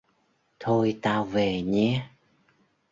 Thôi tao về nhé